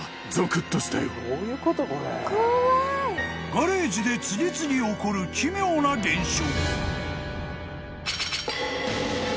［ガレージで次々起こる奇妙な現象］